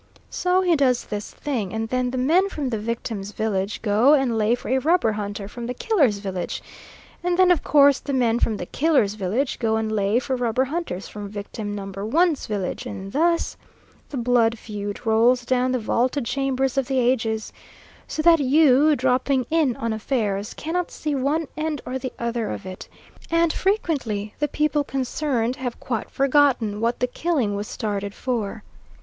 So he does this thing, and then the men from the victim's village go and lay for a rubber hunter from the killer's village; and then of course the men from the killer's village go and lay for rubber hunters from victim number one's village, and thus the blood feud rolls down the vaulted chambers of the ages, so that you, dropping in on affairs, cannot see one end or the other of it, and frequently the people concerned have quite forgotten what the killing was started for.